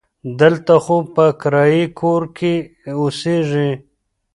دلته خو په کرایي کور کې اوسیږي.